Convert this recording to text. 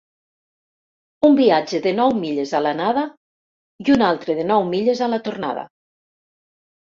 Un viatge de nou milles a l'anada, i un altre de nou milles a la tornada.